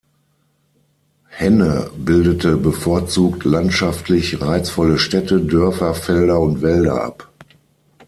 Henne bildete bevorzugt landschaftlich reizvolle Städte, Dörfer, Felder und Wälder ab.